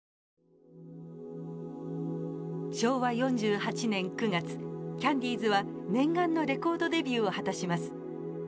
昭和４８年９月キャンディーズは念願のレコードデビューを果たします。